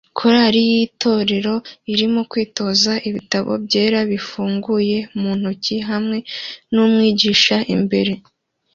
Korali y'itorero irimo kwitoza ibitabo byera bifunguye mu ntoki hamwe n'umwigisha imbere